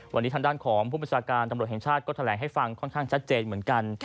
วันนี้ทางด้านของผู้ประชาการตำรวจแห่งชาติก็แถลงให้ฟังค่อนข้างชัดเจนเหมือนกัน